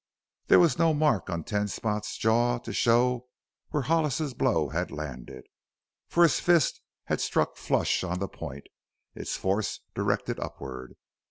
There was no mark on Ten Spot's jaw to show where Hollis's blow had landed, for his fist had struck flush on the point, its force directed upward.